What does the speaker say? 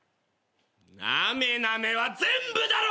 なめなめは全部だろ！！